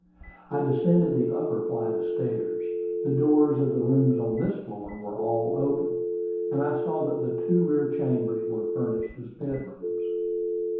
I descended the upper flight of stairs. The doors of the rooms on this floor were all open, and I saw that the two rear chambers were furnished as bedrooms.